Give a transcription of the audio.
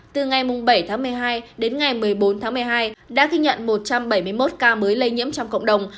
từ ngày bảy tháng một mươi hai đến ngày một mươi bốn tháng một mươi hai đã ghi nhận một trăm bảy mươi một ca mới lây nhiễm trong cộng đồng